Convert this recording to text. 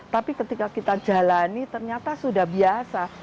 tapi ketika kita jalani ternyata sudah biasa